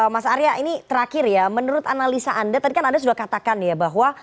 mas arya ini terakhir ya menurut analisa anda tadi kan anda sudah katakan ya bahwa